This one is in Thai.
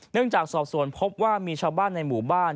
จากสอบส่วนพบว่ามีชาวบ้านในหมู่บ้าน